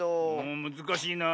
むずかしいなあ。